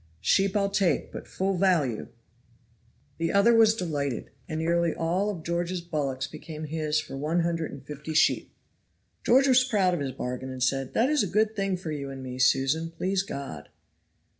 Sheep I'll take, but full value." The other was delighted, and nearly all George's bullocks became his for one hundred and fifty sheep. George was proud of his bargain, and said, "That is a good thing for you and me, Susan, please God."